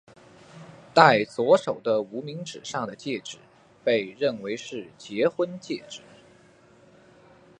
戴左手的无名指上的戒指被认为是结婚戒指。